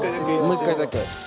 もう一回だけ。